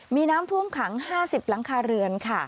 มีน้ำท่วมขัง๕๐หลังคาเรือนค่ะ